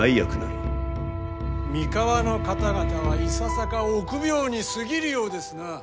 三河の方々はいささか臆病に過ぎるようですなあ。